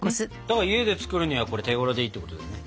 だから家で作るにはこれ手ごろでいいってことだよね。